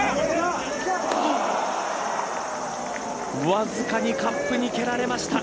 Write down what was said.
わずかにカップに蹴られました。